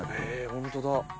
ホントだ。